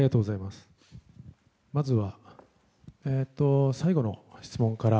まず最後の質問から。